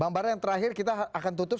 bang bara yang terakhir kita akan tutup